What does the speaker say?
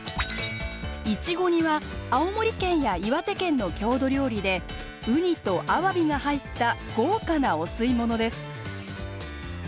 「いちご煮」は青森県や岩手県の郷土料理でウニとアワビが入った豪華なお吸い物です。